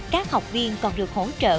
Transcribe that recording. các học viên còn được hỗ trợ